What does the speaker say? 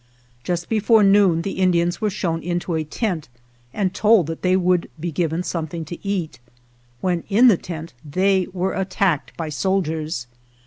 Just before noon the In dians were shown into a tent and told that they would be given something to eat. When in the tent they were 2 attacked by soldiers.